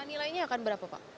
nilainya akan berapa pak